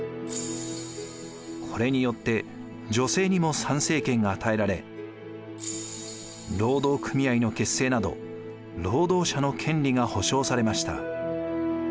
これによって女性にも参政権が与えられ労働組合の結成など労働者の権利が保障されました。